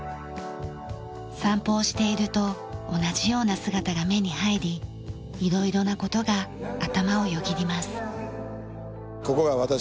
散歩をしていると同じような姿が目に入り色々な事が頭をよぎります。